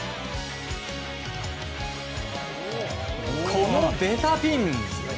このベタピン！